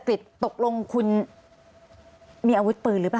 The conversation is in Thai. ก็คลิปออกมาแบบนี้เลยว่ามีอาวุธปืนแน่นอน